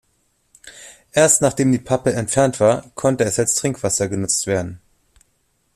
Erst nachdem die Pappe entfernt war, konnte es als Trinkwasser genutzt werden.